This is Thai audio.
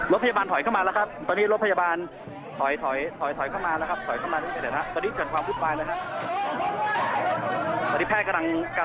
รถพยาบาลถอยเข้ามาแล้วครับตอนนี้รถพยาบาลถอยเข้ามาแล้วครับ